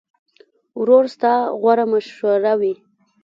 ورور ستا غوره مشوره وي.